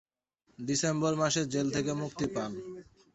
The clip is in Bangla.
ডিসেম্বর মাসে জেল থেকে মুক্তি পান।